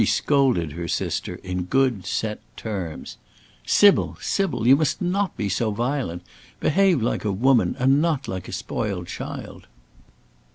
She scolded her sister in good, set terms "Sybil, Sybil! you must not be so violent. Behave like a woman, and not like a spoiled child!"